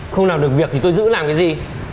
không làm được việc thì tôi giữ làm cái gì